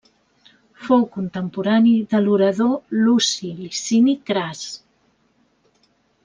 Fou contemporani de l'orador Luci Licini Cras.